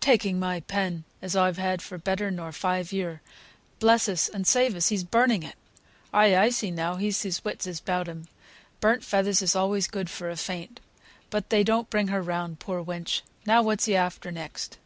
"Taking my pen, as I've had better nor five year. Bless us, and save us! he's burning it! Ay, I see now, he's his wits about him; burnt feathers is always good for a faint. But they don't bring her round, poor wench! Now what's he after next?